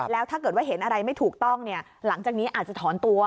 แล้วถ้าเกิดว่าเห็นอะไรไม่ถูกต้องหลังจากนี้อาจจะถอนตัว